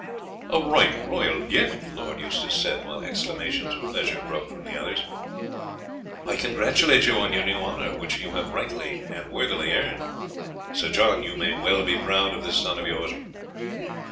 "A right royal gift!" Lord Eustace said, while exclamations of pleasure broke from the others. "I congratulate you on your new honour, which you have right worthily earned. Sir John, you may well be proud of this son of yours."